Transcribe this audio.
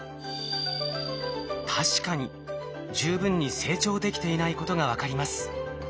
確かに十分に成長できていないことが分かります。